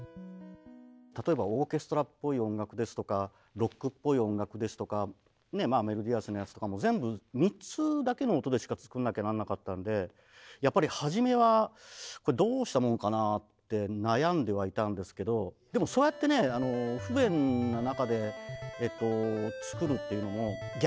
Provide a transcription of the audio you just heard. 例えばオーケストラっぽい音楽ですとかロックっぽい音楽ですとかメロディアスなやつとかも全部３つだけの音でしか作んなきゃなんなかったんでやっぱり初めはこれどうしたもんかなあって悩んではいたんですけどでもそうやってね不便な中で作るっていうのもあ。